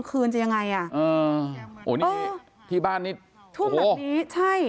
คืนจะยังไงอ่ะเออโอ้นี่ที่บ้านนี่ท่วมแบบนี้ใช่